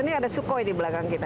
ini ada sukhoi di belakang kita